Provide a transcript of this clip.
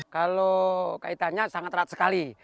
kalau kaitannya sangat erat sekali